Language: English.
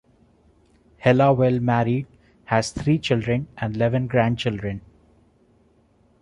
Hellawell married, has three children and eleven grandchildren.